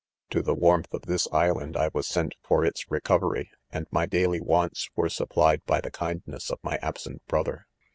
"To the warmth of this Island I was sent for its recovery, and my daily wants were supplied by the kindness of .#n absent brother.